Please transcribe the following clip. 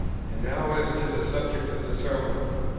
And now as to the subject of the Sermon.